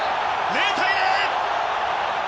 ０対０！